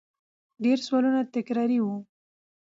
ډېر سوالونه تکراري وو